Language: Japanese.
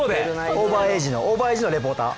オーバーエージのレポーター。